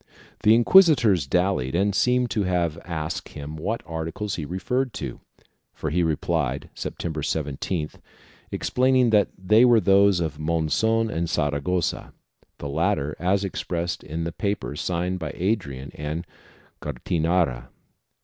The inquisitors dallied and seem to have asked him what articles he referred to, for he replied, September 17th, explaining that they were those of Monzon and Saragossa, the latter as expressed in the paper signed by Adrian and Gattinara.